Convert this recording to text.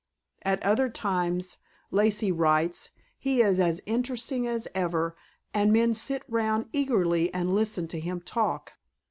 At other times, Lacey writes, he is as interesting as ever and men sit round eagerly and listen to him talk.